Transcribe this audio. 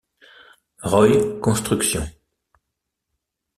Roy Construction.